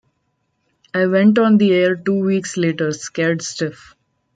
I went on the air two weeks later, scared stiff.